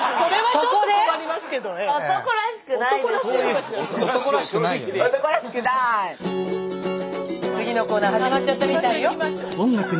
そこで⁉次のコーナー始まっちゃったみたいよ。